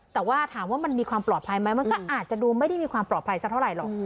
แต่ว่าถามว่ามันมีความปลอดภัยไหมมันก็อาจจะดูไม่ได้มีความปลอดภัยสักเท่าไหรหรอก